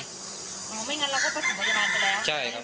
อ๋อเมื่อกั้นเราก็ไปสนับโยนาทันไปแล้ว